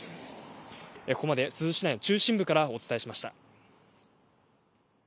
ここまで珠洲市内中心部からお伝えしました。